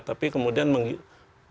tapi kemudian menuntun saya